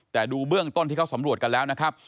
แต่ดูเบื้องต้นที่เขาสำรวจกันแล้วนะครับ